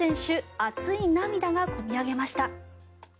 熱い涙がこみ上げました。